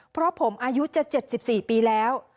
เพราะผมอายุจะ๗๔ปีแล้ว